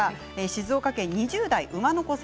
静岡県２０代の方。